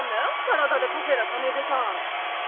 体で稼いだ金でさ。